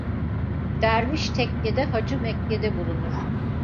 Derviş tekkede, hacı Mekke'de bulunur.